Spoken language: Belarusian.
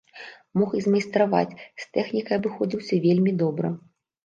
Мог і змайстраваць, з тэхнікай абыходзіўся вельмі добра.